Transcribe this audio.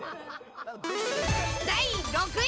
第６位。